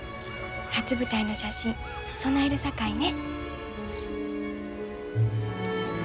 初舞台の写真供えるさかいね。